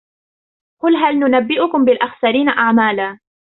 قل هل ننبئكم بالأخسرين أعمالا